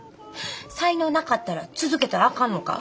才能なかったら続けたらあかんのか？